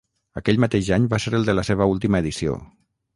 Aquell mateix any va ser el de la seva última edició.